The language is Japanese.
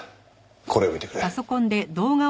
これを見てくれ。